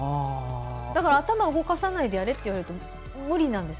だから頭を動かさないでやれといわれると無理なんです。